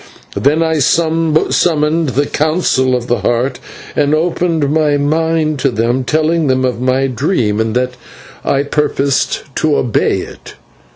"Then I summoned the Council of the Heart and opened my mind to them, telling them of my dream, and that I purposed to obey it.